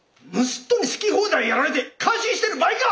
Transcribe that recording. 盗っ人に好き放題やられて感心してる場合か！